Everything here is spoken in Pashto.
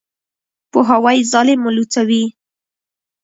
پوهاوی ظالم لوڅوي.